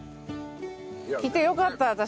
来てよかった私。